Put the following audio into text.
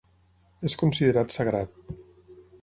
És considerat sagrat.